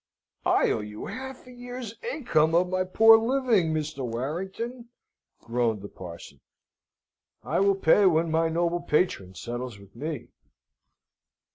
"I owe you a half year's income of my poor living, Mr. Warrington," groaned the parson. "I will pay when my noble patron settles with me."